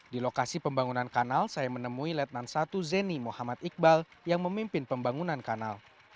di lokasi pembangunan kanal saya menemui letnan satu zeni muhammad iqbal yang memimpin pembangunan kanal